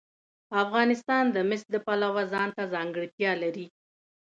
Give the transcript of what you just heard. افغانستان د مس د پلوه ځانته ځانګړتیا لري.